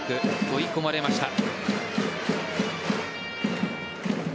追い込まれました。